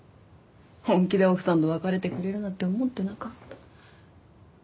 本気で奥さんと別れてくれるなんて思ってなかった。